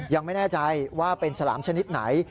ยังไม่แน่ใจว่าเป็นฉลามชนิดไหน